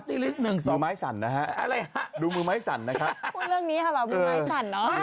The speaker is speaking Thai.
พูดเรื่องนี้ครับว่าดูมือไม้สั่นเนอะ